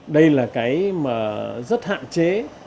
đây là cái mà rất hạn chế